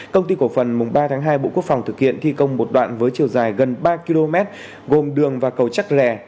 công ty cổ phần mùng ba tháng hai bộ quốc phòng thực hiện thi công một đoạn với chiều dài gần ba km gồm đường và cầu chắc rè